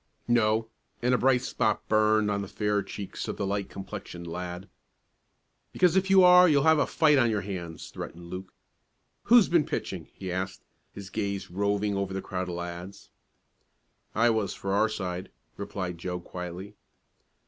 "No," and a bright spot burned on the fair cheeks of the light complexioned lad. "Because if you are you'll have a fight on your hands," threatened Luke. "Who's been pitching?" he asked, his gaze roving over the crowd of lads. "I was for our side," replied Joe quietly.